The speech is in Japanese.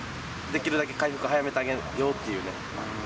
できるだけ回復早めてあげようっていうね。